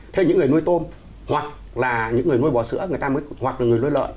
thế những người nuôi tôm hoặc là những người nuôi bò sữa hoặc là người nuôi lợn